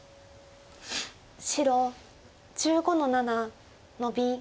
白１５の七ノビ。